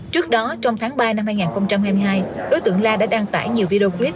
trước đó trong tháng ba năm hai nghìn hai mươi hai đối tượng la đã đăng tải nhiều video clip